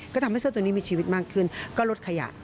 ก็ทำให้เสื้อตัวนี้มีชีวิตมากขึ้นก็ลดขยะ